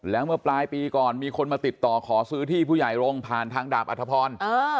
แล้วเมื่อปลายปีก่อนมีคนมาติดต่อขอซื้อที่ผู้ใหญ่รงค์ผ่านทางดาบอัธพร